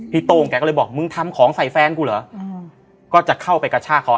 โต้งแกก็เลยบอกมึงทำของใส่แฟนกูเหรอก็จะเข้าไปกระชากเขา